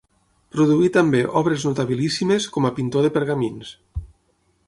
Produí també obres notabilíssimes com a pintor de pergamins.